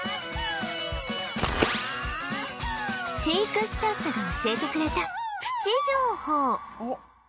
飼育スタッフが教えてくれたプチ情報